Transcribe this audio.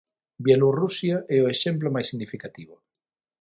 Bielorrusia é o exemplo máis significativo.